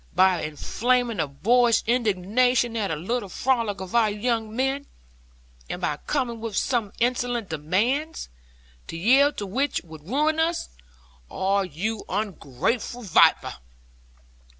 By inflaming the boorish indignation at a little frolic of our young men; and by coming with insolent demands, to yield to which would ruin us. Ah, you ungrateful viper!'